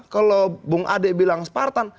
kalau bung ade bilang spartan